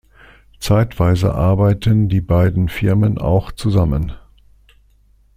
Zeitweise arbeiten die beiden Firmen auch zusammen.